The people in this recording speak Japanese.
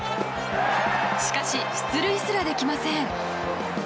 しかし、出塁すらできません。